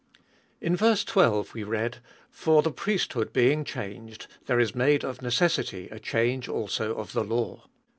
IN ver. 12 we read, For the priesthood being changed, there is made of necessity a change also of the law.